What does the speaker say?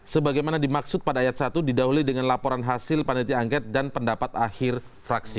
sebagaimana dimaksud pada ayat satu didahului dengan laporan hasil panitia angket dan pendapat akhir fraksi